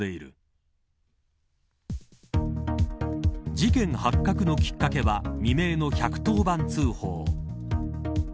事件発覚のきっかけは未明の１１０番通報。